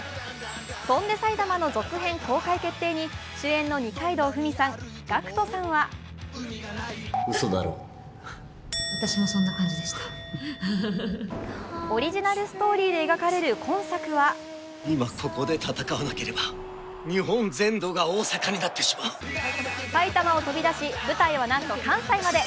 「翔んで埼玉」の続編公開決定に主演の二階堂ふみさん、ＧＡＣＫＴさんはオリジナルストーリーで描かれる今作は埼玉を飛び出し、舞台はなんと関西まで。